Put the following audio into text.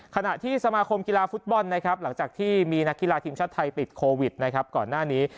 ขณะที่สมาคมกีฬาฟุตบอลนะครับหลังจากที่มีนักกีฬาทีมชาติไทยติดโควิดนะครับก่อนหน้านี้